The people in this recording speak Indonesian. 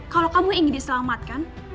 kalau kamu ingin diselamatkan